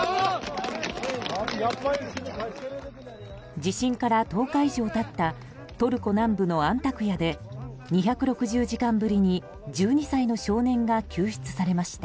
地震から１０日以上経ったトルコ南部のアンタクヤで２６０時間ぶりに１２歳の少年が救出されました。